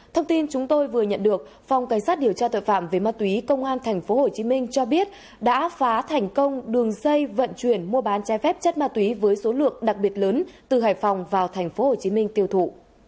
thông tin chúng tôi vừa nhận được phòng cảnh sát điều tra tội phạm về ma túy công an tp hcm cho biết đã phá thành công đường dây vận chuyển mua bán trái phép chất ma túy với số lượng đặc biệt lớn từ hải phòng vào tp hcm tiêu thụ